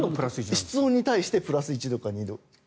室温に対して１度か２度。